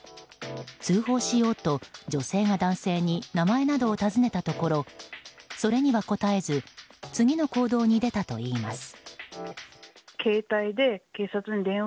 通報しようと女性が男性に名前などを尋ねたところそれには答えず次の行動に出たといいます。